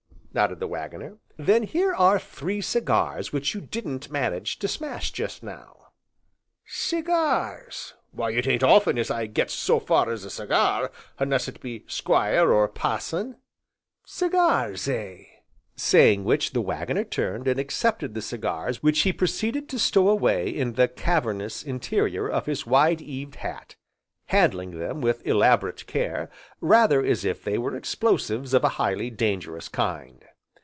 nodded the Waggoner. "Then here are three cigars which you didn't manage to smash just now." "Cigars! why it ain't often as I gets so far as a cigar, unless it be Squire, or Parson, cigars, eh!" Saying which, the Waggoner turned and accepted the cigars which he proceeded to stow away in the cavernous interior of his wide eaved hat, handling them with elaborate care, rather as if they were explosives of a highly dangerous kind.